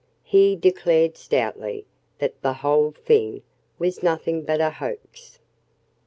He declared stoutly that the whole thing was nothing but a hoax.